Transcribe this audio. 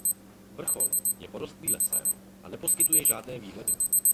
Vrchol je porostlý lesem a neposkytuje žádné výhledy.